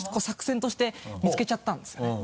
作戦として見つけちゃったんですよね。